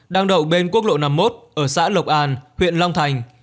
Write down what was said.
đang đậu bên quốc lộ năm mươi một ở xã lộc an huyện long thành